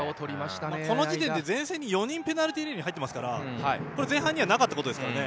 この時点で前線に４人ペナルティーエリアに入っていますからこれ、前半にはなかったことですからね。